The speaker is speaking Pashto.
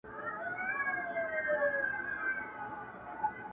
زړه یې ووتی له واکه نا ارام سو,